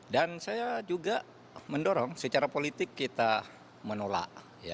dan saya juga mendorong secara politik kita menolak